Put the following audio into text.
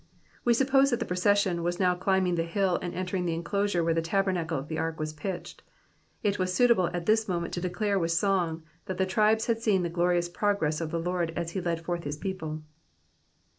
We suppose that the procesfeion was now climblDg the hill, and enterio^ the enclosure where the tubernacle of the aik was pitched ; it was suitable at this moment to declare ir^ith song that the tribes had seen the gloriims progress of the Lord as he led forth his people.